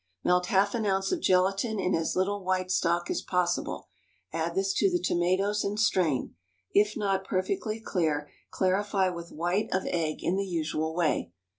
Melt half an ounce of gelatine in as little white stock as possible; add this to the tomatoes, and strain; if not perfectly clear, clarify with white of egg in the usual way.